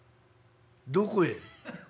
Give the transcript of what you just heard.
「どこへ？」。